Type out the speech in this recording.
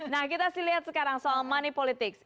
nah kita sih lihat sekarang soal money politics